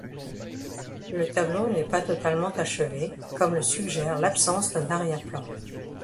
Le tableau n’est pas totalement achevé, comme le suggère l’absence d’un arrière-plan.